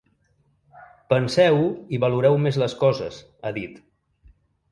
Penseu-ho i valoreu més les coses, ha dit.